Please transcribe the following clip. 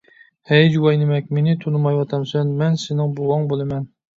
ھەي جۇۋايىنىمەك، مېنى تونۇمايۋاتامسەن، مەن سېنىڭ بوۋاڭ بولىمەن.